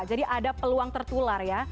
jadi ada peluang tertular ya